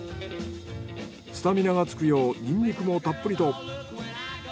スタミナがつくようニンニクもたっぷりと。